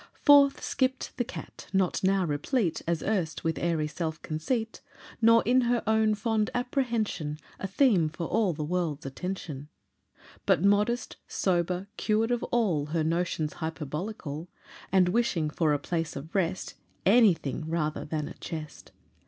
Forth skipp'd the cat, not now replete As erst with airy self conceit, Nor in her own fond apprehension A theme for all the world's attention, But modest, sober, cured of all Her notions hyperbolical, And wishing for a place of rest Any thing rather than a chest.